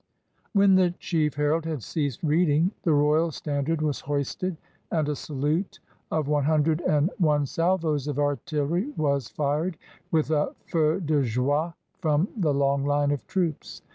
When the chief herald had ceased reading, the royal standard was hoisted, and a salute of one hundred and one salvos of artillery was fired, with a feu de joie from the long hne of troops.